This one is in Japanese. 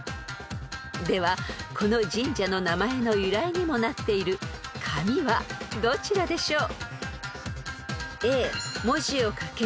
［ではこの神社の名前の由来にもなっている「かみ」はどちらでしょう？］